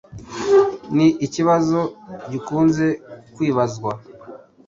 ni ikibazo gikunze kwibazwa